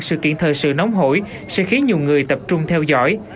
sự kiện thời sự nóng hổi sẽ khiến nhiều người tập trung theo dõi